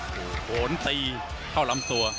สี่โหเอิ้นตีเข้ารำสัว